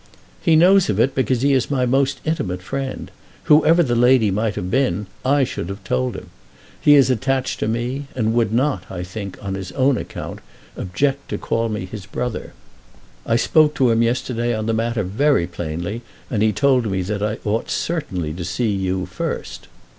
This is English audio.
"He knows of it, because he is my most intimate friend. Whoever the lady might have been, I should have told him. He is attached to me, and would not, I think, on his own account, object to call me his brother. I spoke to him yesterday on the matter very plainly, and he told me that I ought certainly to see you first.